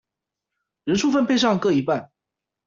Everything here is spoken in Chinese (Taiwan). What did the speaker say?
人數分配上各一半